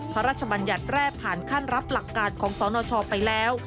บรรยัติแรกผ่านขั้นรับหลักการของสนชไปแล้ว